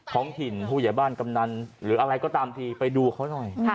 ท้องถิ่นผู้ใหญ่บ้านกำนันหรืออะไรก็ตามทีไปดูเขาหน่อย